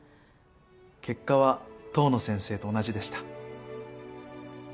結果は遠野先生と同じでした。